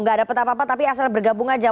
gak ada peta apa apa tapi asal bergabung aja